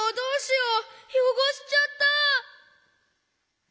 よごしちゃった！